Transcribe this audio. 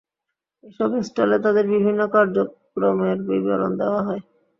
এসব স্টলে তাঁদের বিভিন্ন কার্যক্রমের বিবরণ দেওয়া হয়।